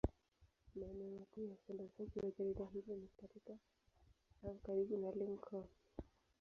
Maeneo makuu ya usambazaji wa jarida hili ni katika au karibu na Lincoln.